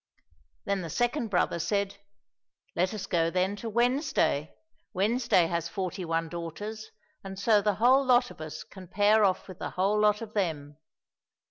— Then the second brother said, " Let us go then to Wednesday — Wednes day has forty one daughters, and so the whole lot of us can pair off with the whole lot of them."